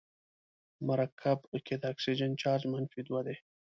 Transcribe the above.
په مرکب کې د اکسیجن چارج منفي دوه دی.